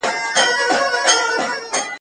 هغه ته به د مرګ سزا ورکول سي